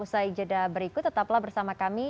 usaha ijadah berikut tetaplah bersama kami